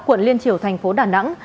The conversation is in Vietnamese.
quận liên triều thành phố đà nẵng